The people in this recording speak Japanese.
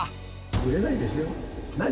売れないですよ。